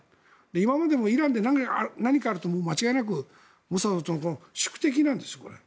今までもイランで何かあると間違いなくモサド宿敵なんです。